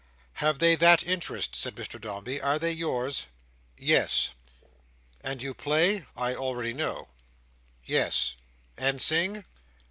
"Have they that interest?" said Mr Dombey. "Are they yours?" "Yes." "And you play, I already know." "Yes." "And sing?"